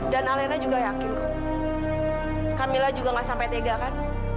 dan elena juga yakin kamilah juga gak sampai tega kan